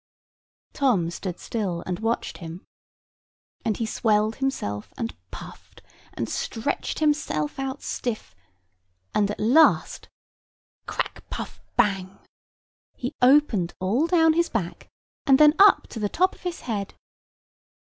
Tom stood still, and watched him. And he swelled himself, and puffed, and stretched himself out stiff, and at last—crack, puff, bang—he opened all down his back, and then up to the top of his head.